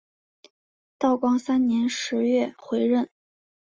道光三年十月回任。